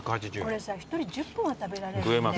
これ１人１０本は食べられる。